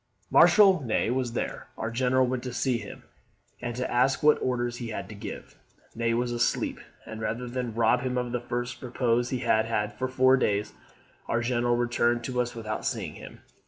"Marshal Ney was there. Our general went to see him, and to ask what orders he had to give. Ney was asleep; and, rather than rob him of the first repose he had had for four days, our General returned to us without seeing him.